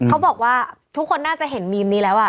เขาบอกว่าทุกคนน่าจะเห็นมีมนี้แล้ว